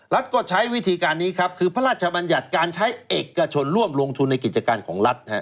ก็ใช้วิธีการนี้ครับคือพระราชบัญญัติการใช้เอกชนร่วมลงทุนในกิจการของรัฐ